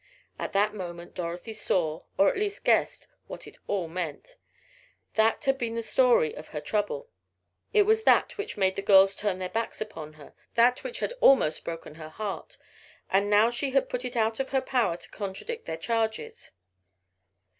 At that moment Dorothy saw, or at least guessed, what it all meant. That had been the story of her trouble! It was that which made the girls turn their backs on her that which had almost broken her heart. And now she had put it out of her power to contradict their charges!